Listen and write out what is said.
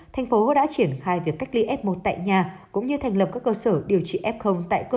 thành phố đã triển khai việc cách ly f một tại nhà cũng như thành lập các cơ sở điều trị f tại cơ sở